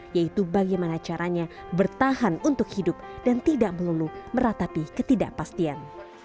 yaitu bagaimana caranya bertahan untuk hidup dan tidak melulu meratapi ketidakpastian